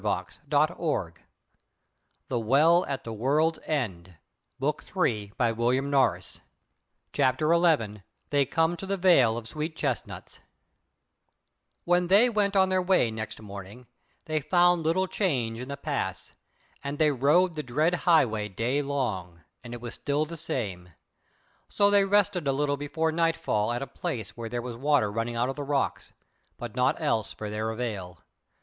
So there anon they fell asleep for weariness, and no dreams of terror beset their slumbers. CHAPTER 11 They Come to the Vale of Sweet Chestnuts When they went on their way next morning they found little change in the pass, and they rode the dread highway daylong, and it was still the same: so they rested a little before nightfall at a place where there was water running out of the rocks, but naught else for their avail.